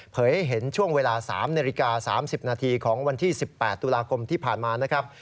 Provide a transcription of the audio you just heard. ให้เห็นช่วงเวลา๓นาฬิกา๓๐นาทีของวันที่๑๘ตุลาคมที่ผ่านมานะครับ